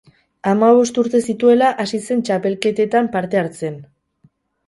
Hamabost urte zituela hasi zen txapelketetan parte hartzen.